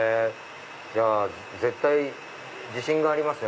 じゃあ絶対自信がありますね